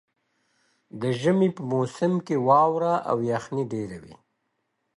د ژمي په موسم کې واوره او یخني ډېره وي.